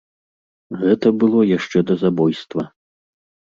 Гэта было яшчэ да забойства.